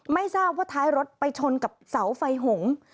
ไม่ทราบว่าท้ายรถไปชนกับเสาไฟหง